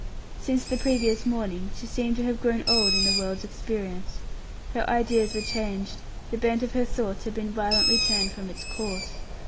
Since the previous morning, she seemed to have grown old in the world's experience; her ideas were changed, the bent of her thoughts had been violently turned from its course.